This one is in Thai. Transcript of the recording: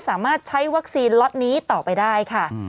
สามารถใช้วัคซีนล็อตนี้ต่อไปได้ค่ะ